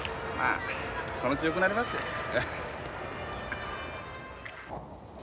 まあそのうちよくなりますよ。